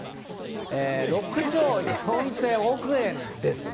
およそ６兆４０００億円です。